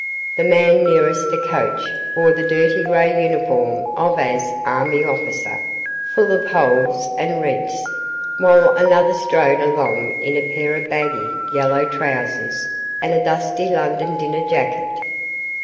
The man nearest the coach wore the dirty gray uniform of as army officer, full of holes and rents, while another strode along in a pair of baggy yellow trousers and a dusty London dinner jacket.